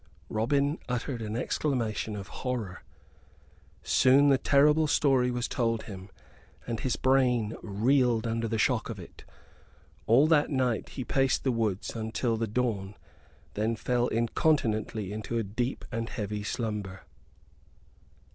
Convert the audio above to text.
Robin uttered an exclamation of horror. Soon the terrible story was told him, and his brain reeled under the shock of it. All that night he paced the woods until the dawn, then fell incontinently into a deep and heavy slumber.